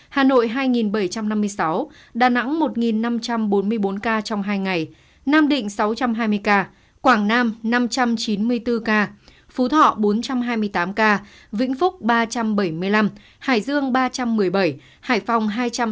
hà nội hai bảy trăm năm mươi sáu đà nẵng một năm trăm bốn mươi bốn ca trong hai ngày nam định sáu trăm hai mươi ca quảng nam năm trăm chín mươi bốn ca phú thọ bốn trăm hai mươi tám ca vĩnh phúc ba trăm bảy mươi năm hải dương ba trăm một mươi bảy hải phòng hai trăm ba mươi ca